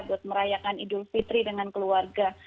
buat merayakan idul fitri dengan keluarga